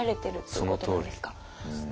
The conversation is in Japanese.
そのとおりですね。